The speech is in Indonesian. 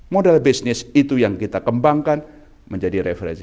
modal bisnis itu yang kita kembangkan menjadi referensi